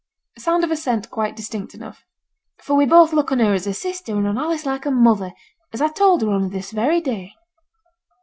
(a sound of assent quite distinct enough); 'for we both look on her as a sister and on Alice like a mother, as I told her only this very day.'